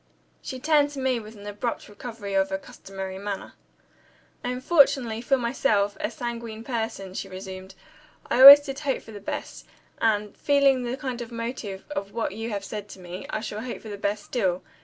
She turned to me, with an abrupt recovery of her customary manner. "I am fortunately, for myself, a sanguine person," she resumed. "I always did hope for the best; and (feeling the kind motive of what you have said to me) I shall hope for the best still.